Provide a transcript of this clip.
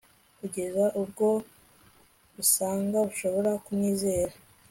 kugeza ubwo busanga bushobora kumwizera